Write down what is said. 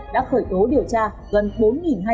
đã khởi tố điều tra gần bốn hai trăm linh vụ